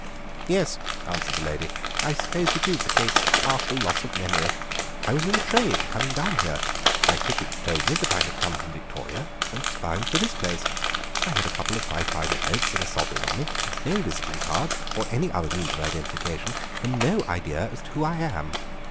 "Yes," answered the lady, "I suppose it is a case of partial loss of memory. I was in the train coming down here; my ticket told me that I had come from Victoria and was bound for this place. I had a couple of five pound notes and a sovereign on me, no visiting cards or any other means of identification, and no idea as to who I am.